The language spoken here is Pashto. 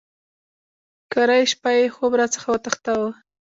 کرۍ شپه یې خوب را څخه وتښتاوه.